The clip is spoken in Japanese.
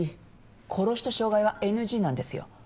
殺しと傷害はＮＧなんですよ。